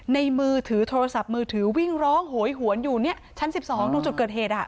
มือถือโทรศัพท์มือถือวิ่งร้องโหยหวนอยู่เนี่ยชั้น๑๒ตรงจุดเกิดเหตุ